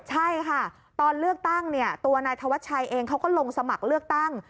ใช่ค่ะตอนเลือกตั้งเนี่ยตัวนายธวัชชัยเองเขาก็ลงสมัครเลือกตั้ง